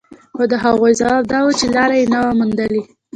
خو د هغوی ځواب دا و چې لاره يې نه ده موندلې.